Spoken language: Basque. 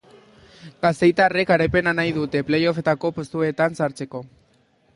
Gasteiztarrek garaipena nahi dute play-offetako postuetan sartzeko.